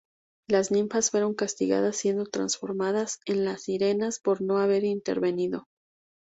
Las ninfas fueron castigadas siendo transformadas en las Sirenas por no haber intervenido.